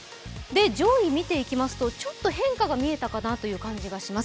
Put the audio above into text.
上位を見ていきますと、ちょっと変化が見えたかなという感じがいたします。